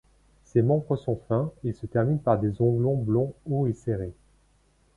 Ses membres sont fins et se terminent par des onglons blonds hauts et serrés.